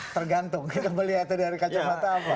tergantung kita melihatnya dari kaca mata apa